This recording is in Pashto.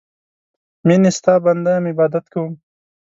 میینې ستا بنده یم عبادت کوم